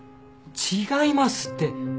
違いますって！